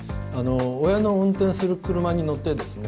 親の運転する車に乗ってですね